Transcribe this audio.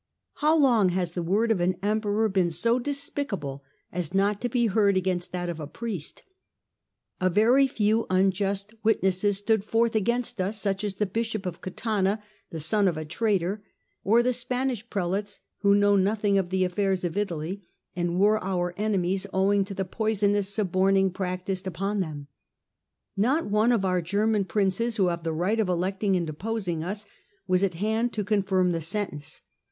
How long has the word of an Emperor been so despicable as not to be heard against that of a priest ? A very few unjust witnesses stood forward against us, such as the Bishop of Catana, the son of a traitor, or the Spanish Prelates who knew nothing of the affairs of Italy and were our enemies owing to the poisonous suborning practised upon them. Not one of our German Princes, who have the right of electing and deposing us, was at hand to confirm the sentence.